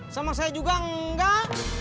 sama saya juga enggak